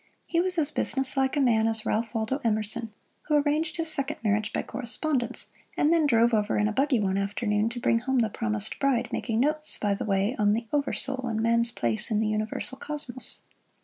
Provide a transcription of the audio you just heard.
He was as businesslike a man as Ralph Waldo Emerson, who arranged his second marriage by correspondence, and then drove over in a buggy one afternoon to bring home the promised bride, making notes by the way on the Over Soul and man's place in the Universal Cosmos.